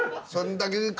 そんだけ。